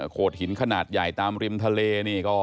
โดดหินขนาดใหญ่ตามริมทะเลนี่ก็